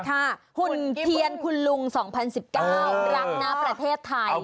หุ่นเทียนคุณลุง๒๐๑๙รักนะประเทศไทย